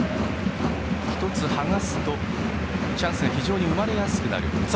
１つはがすとチャンスが非常に生まれやすくなると。